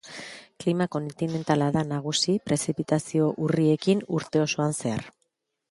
Klima kontinentala da nagusi prezipitazio urriekin urte osoan zehar.